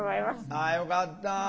あよかった。